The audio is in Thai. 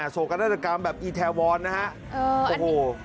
โศกรรณกรรมแบบอีแทวอนนะครับ